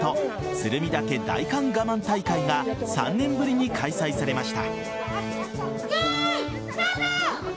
鶴見岳大寒がまん大会が３年ぶりに開催されました。